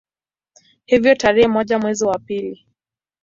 Hivyo tarehe moja mwezi wa pili